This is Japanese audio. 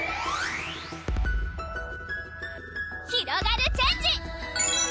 ひろがるチェンジ！